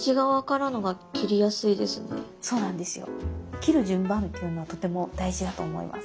切る順番っていうのはとても大事だと思います。